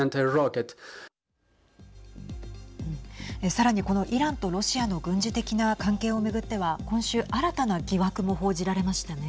さらに、このイランとロシアの軍事的な関係を巡っては今週、新たな疑惑も報じられましたね。